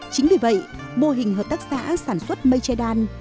chính vì vậy mô hình hợp tác xã sản xuất mây che đan